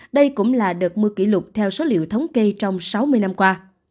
đây cũng là đợt mưa kỷ lục theo số liệu thống kê trong sáu mươi năm qua